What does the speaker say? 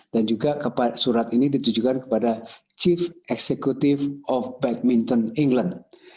juga surat ini ditujukan kepada chief executive of badminton england